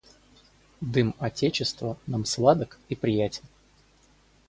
Дым отечества нам сладок и приятен.